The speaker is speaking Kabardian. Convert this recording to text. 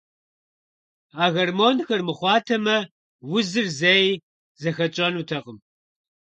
А гормонхэр мыхъуатэмэ, узыр зэи зыхэтщӏэнутэкъым.